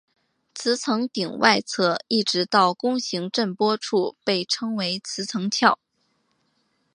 磁层顶外侧一直到弓形震波处被称磁层鞘。